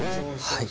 はい。